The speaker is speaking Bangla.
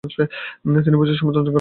তিনি প্রচুর সম্পদ অর্জন করেন।